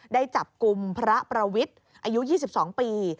ได้จับกลุ่มพระประวิทย์อายุ๒๒ปี